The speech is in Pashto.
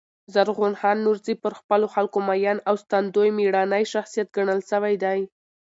زرغون خان نورزي پر خپلو خلکو مین او ساتندوی مېړنی شخصیت ګڼل سوی دﺉ.